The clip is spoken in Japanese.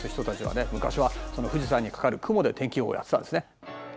昔は富士山にかかる雲で天気予報やってたんですね。